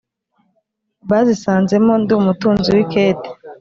bazisanze mo ndi umutunzi w’ikete